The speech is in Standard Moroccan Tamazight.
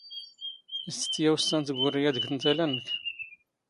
ⵉⵙ ⵜⴻⵜⵜⵢⴰⵡⵙⵙⴰⵏ ⵜⴳⵓⵔⵉ ⴰⴷ ⴳ ⵜⵏⵜⴰⵍⴰ ⵏⵏⴽ?